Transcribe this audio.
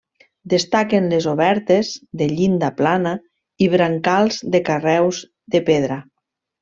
Destaquen les obertes, de llinda plana i brancals de carreus de pedra.